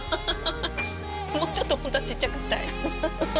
もうちょっと本当はちっちゃくしたい？